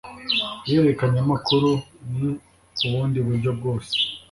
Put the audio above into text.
ihererekanyamakuru n ubundi buryo bwose